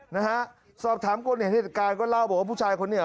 นะฮะสอบถามคนเห็นเหตุการณ์ก็เล่าบอกว่าผู้ชายคนนี้